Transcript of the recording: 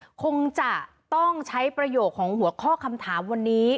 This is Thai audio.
คงจะต้องใช้ประโยคของหัวข้อคำถามวันนี้